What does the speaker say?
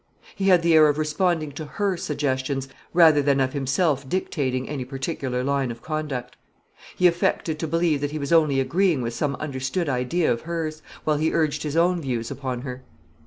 He had the air of responding to her suggestions, rather than of himself dictating any particular line of conduct. He affected to believe that he was only agreeing with some understood ideas of hers, while he urged his own views upon her.